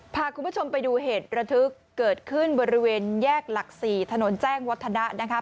พาคุณผู้ชมไปดูเหตุระทึกเกิดขึ้นบริเวณแยกหลัก๔ถนนแจ้งวัฒนะนะคะ